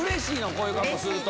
こういう格好すると。